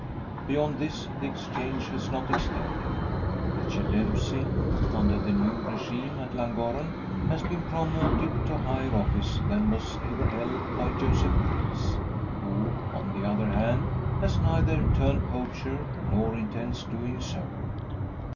Beyond this the exchange has not extended. Richard Dempsey, under the new regime at Llangorren, has been promoted to higher office than was ever held by Joseph Preece; who, on the other hand, has neither turned poacher, nor intends doing so.